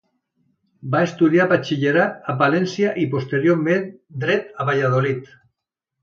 Va estudiar batxillerat a Palència i posteriorment Dret a Valladolid.